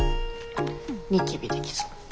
ニキビできそう。